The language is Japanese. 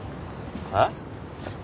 えっ？